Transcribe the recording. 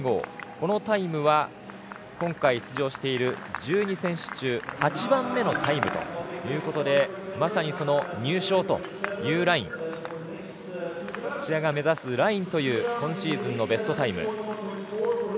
このタイムは、今回出場している１２選手中８番目のタイムということでまさに入賞というライン土屋が目指すラインという今シーズンのベストタイム。